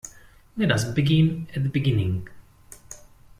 Let us begin at the beginning